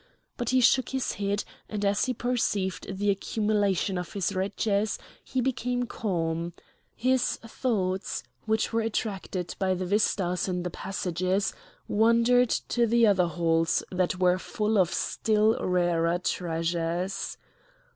But he shook his head, and as he perceived the accumulation of his riches he became calm; his thoughts, which were attracted by the vistas in the passages, wandered to the other halls that were full of still rarer treasures.